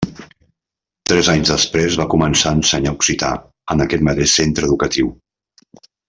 Tres anys després va començar a ensenyar occità en aquest mateix centre educatiu.